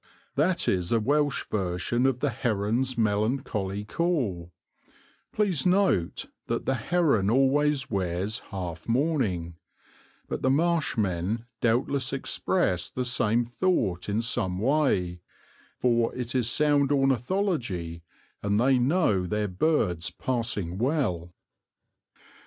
That is a Welsh version of the heron's melancholy call please note that the heron always wears half mourning but the marsh men doubtless express the same thought in some way, for it is sound ornithology, and they know their birds passing well.